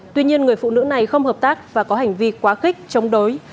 tuy nhiên người phụ nữ này không hợp tác và có hành vi quá khích chống đối